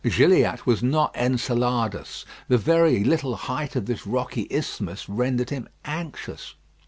Gilliatt was not Enceladus. The very little height of this rocky isthmus rendered him anxious.